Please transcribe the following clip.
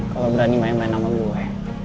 kalau berani main main sama gue